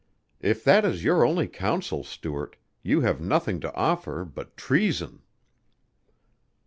If that is your only counsel, Stuart, you have nothing to offer but treason!"